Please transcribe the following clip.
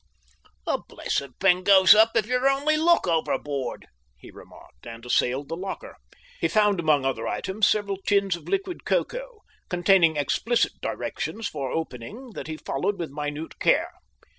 "The blessed thing goes up if you only LOOK overboard," he remarked, and assailed the locker. He found among other items several tins of liquid cocoa containing explicit directions for opening that he followed with minute care.